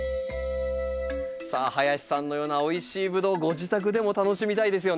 さあ林さんのようなおいしいブドウをご自宅でも楽しみたいですよね。